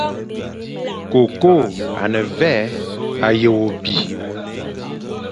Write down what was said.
Koko a ne vé, a ye wo bi.